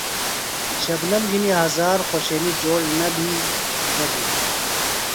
شبنمؔ گھِنہ ہزار خوشینیۡ جوڑ نہ بھی گبیۡ۔